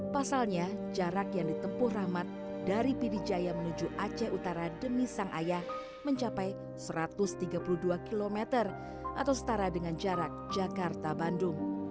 pasalnya jarak yang ditempuh rahmat dari pidijaya menuju aceh utara demi sang ayah mencapai satu ratus tiga puluh dua km atau setara dengan jarak jakarta bandung